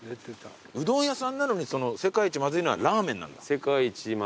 うどん屋さんなのにその世界一まずいのはラーメンなんだ。